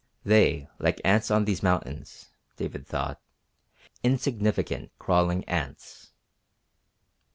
They like ants on these mountains, David thought insignificant, crawling ants.